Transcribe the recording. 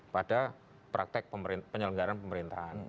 pada praktek penyelenggaran pemerintahan